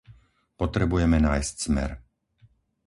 Potrebujeme nájsť smer.